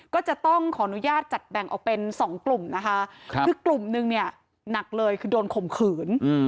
ก็จะต้องขออนุญาตจัดแต่งออกเป็น๒กลุ่มกลุ่มหนึ่งหนักเลยโดนข่มขืน